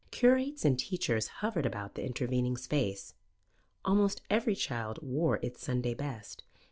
Curates and teachers hovered about the intervening space. Almost every child wore its Sunday best.